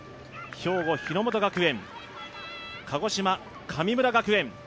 兵庫・日ノ本学園、鹿児島・神村学園